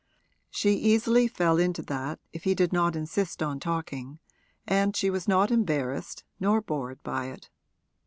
She easily fell into that if he did not insist on talking, and she was not embarrassed nor bored by it.